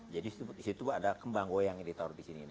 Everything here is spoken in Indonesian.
jadi di situ ada kembang goyang yang ditaruh di sini